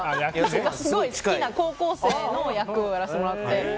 すごい好きな高校生の役をやらせてもらって。